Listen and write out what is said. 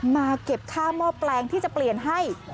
มาเก็บค่าหม้อแปลงที่จะเปลี่ยนให้